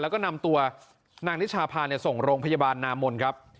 แล้วก็นำตัวนางนิชาพาส่งโรงพยาบาลนามนครับ